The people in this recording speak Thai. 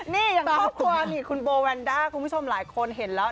นี่อย่างครอบครัวนี่คุณโบแวนด้าคุณผู้ชมหลายคนเห็นแล้ว